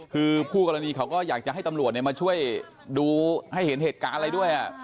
คือคู่กรณีเขาก็อยากจะให้ตำรวจมาช่วยดูให้เห็นเหตุการณ์อะไรด้วย